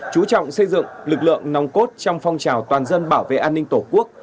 chú trọng xây dựng lực lượng nòng cốt trong phong trào toàn dân bảo vệ an ninh tổ quốc